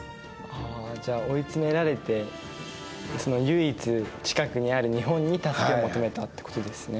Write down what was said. じゃあ追い詰められて唯一近くにある日本に助けを求めたってことですね。